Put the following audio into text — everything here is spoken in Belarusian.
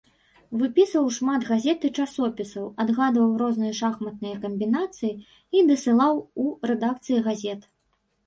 Выпісваў шмат газет і часопісаў, адгадваў розныя шахматныя камбінацыі і дасылаў у рэдакцыі газет.